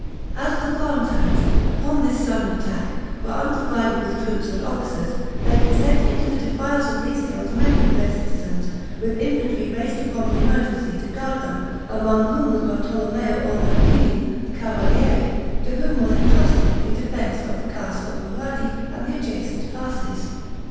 As the Florentines, upon this sudden attack, were unprovided with troops and officers, they had sent into the defiles of these hills many of their citizens, with infantry raised upon the emergency to guard them, among whom was Bartolomeo Orlandini, a cavaliere, to whom was intrusted the defense of the castle of Marradi and the adjacent passes.